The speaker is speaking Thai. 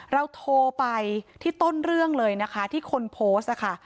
เราโทรไปที่ต้นเรื่องเลยนะคะที่คนโพสต์ค่ะ